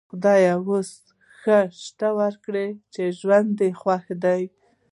خدای اوس ښه شته ورکړ؛ ژوند یې خوښ دی.